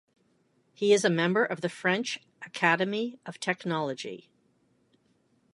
He is a member of the French Academy of Technology.